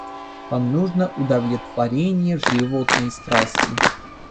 Вам нужно удовлетворение животной страсти...